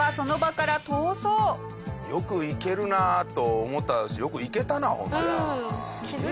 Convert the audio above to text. よくいけるなと思ったしよくいけたなほんで。